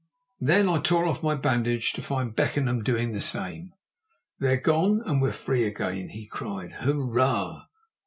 Then I tore off my bandage, to find Beckenham doing the same. "They're gone, and we're free again," he cried. "Hurrah!"